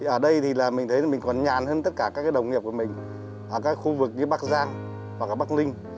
ở đây thì là mình thấy mình còn nhàn hơn tất cả các đồng nghiệp của mình ở các khu vực như bắc giang hoặc là bắc ninh